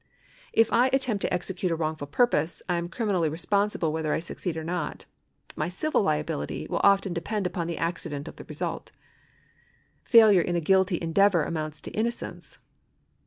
If I attempt to execute a wrongful purpose, I am criminally responsible whether I succeed or not ; but my civil liability will often de})end u})on the accident of the result. Failure in a guilty endeavour amounts to innocence.